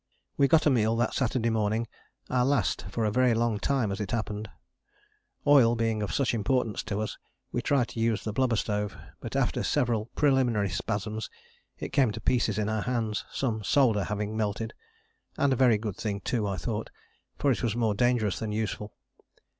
We got a meal that Saturday morning, our last for a very long time as it happened. Oil being of such importance to us we tried to use the blubber stove, but after several preliminary spasms it came to pieces in our hands, some solder having melted; and a very good thing too, I thought, for it was more dangerous than useful.